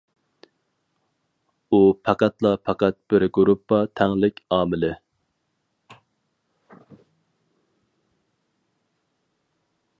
ئۇ پەقەتلا پەقەت بىر گۇرۇپپا تەڭلىك ئامىلى.